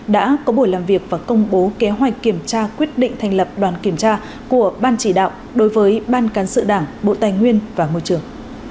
đã có buổi làm việc và công bố kế hoạch kiểm tra quyết định thành lập đoàn kiểm tra của ban chỉ đạo đối với ban cán sự đảng bộ tài nguyên và môi trường